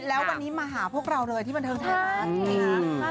แล้ววันนี้มาหาพวกเราเลยที่บันเทิงไทยรัฐ